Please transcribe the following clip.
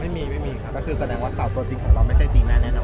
ไม่มีไม่มีค่ะก็คือแสดงว่าสาวตัวจริงของเราไม่ใช่จีน่าแน่นอน